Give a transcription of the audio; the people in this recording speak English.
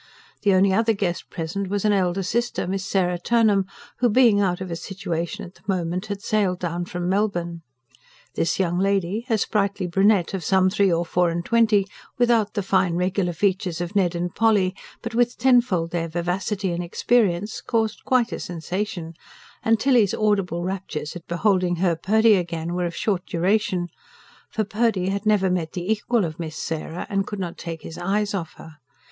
The only other guest present was an elder sister, Miss Sarah Turnham, who, being out of a situation at the moment, had sailed down from Melbourne. This young lady, a sprightly brunette of some three or four and twenty, without the fine, regular features of Ned and Polly, but with tenfold their vivacity and experience, caused quite a sensation; and Tilly's audible raptures at beholding her Purdy again were of short duration; for Purdy had never met the equal of Miss Sarah, and could not take his eyes off her.